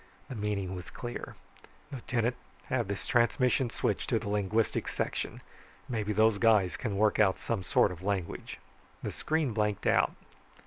The meaning was clear. "Lieutenant, have this transmission switched to the linguistics section. Maybe those guys can work some sort of language." The screen blanked out.